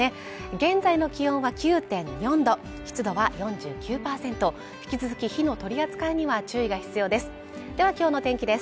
現在の気温は９．４度湿度は４９％引き続き火の取り扱いには注意が必要ですでは今日の天気です